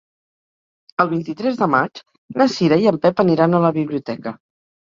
El vint-i-tres de maig na Cira i en Pep aniran a la biblioteca.